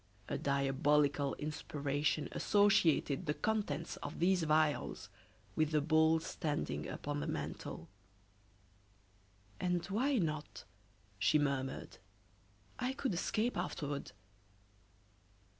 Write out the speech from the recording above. A diabolical inspiration associated the contents of these vials with the bowl standing upon the mantel. "And why not?" she murmured. "I could escape afterward."